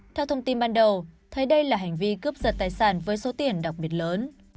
theo thông tin ban đầu thấy đây là hành vi cướp giật tài sản với số tiền đặc biệt lớn